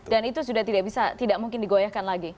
dan itu sudah tidak bisa tidak mungkin dipercaya